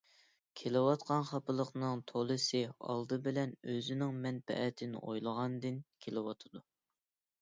كېلىۋاتقان خاپىلىقنىڭ تولىسى ئالدى بىلەن ئۆزىنىڭ مەنپەئەتىنى ئويلىغاندىن كېلىۋاتىدۇ.